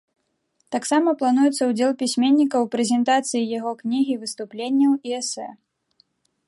Таксама плануецца ўдзел пісьменніка ў прэзентацыі яго кнігі выступленняў і эсэ.